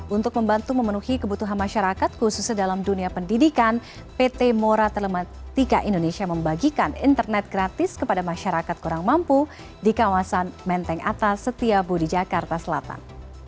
untuk membantu memenuhi kebutuhan masyarakat khususnya dalam dunia pendidikan pt mora telematika indonesia membagikan internet gratis kepada masyarakat kurang mampu di kawasan menteng atas setiabu di jakarta selatan